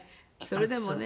それでもね